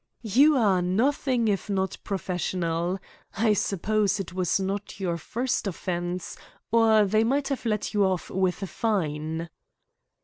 "You are nothing if not professional. I suppose it was not your first offence, or they might have let you off with a fine."